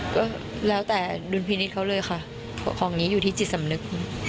ก็แล้วแต่ดุลพินิษฐ์เขาเลยค่ะของนี้อยู่ที่จิตสำนึก